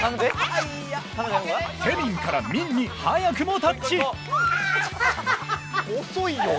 テミンからミンに早くもタッチひゃお！